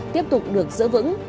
tiếp tục được giữ vững